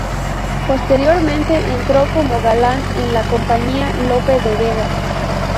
Posteriormente entró como galán, en la compañía Lope de Vega.